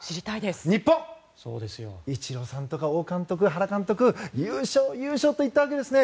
日本、イチローさんとか王監督や原監督、優勝、優勝といったわけですね。